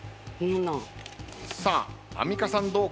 さあアンミカさんどうか？